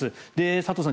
佐藤さん